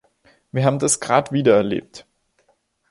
Wir haben das gerade wieder erlebt.